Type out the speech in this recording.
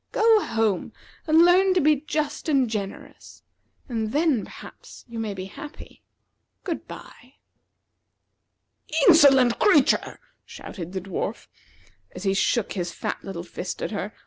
Go home and learn to be just and generous; and then, perhaps, you may be happy. Good by." "Insolent creature!" shouted the dwarf, as he shook his fat little fist at her.